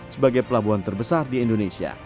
sebagai pelabuhan terbesar di indonesia